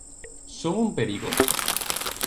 Son un perigo?